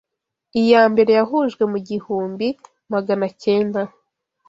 Iya mbere yahujwe mu igihumbi maganacyenda